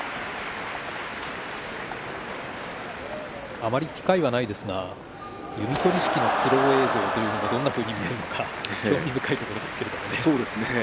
あまり機会はないですが弓取式のスロー映像というのはどんなふうに見えるか興味深いですね。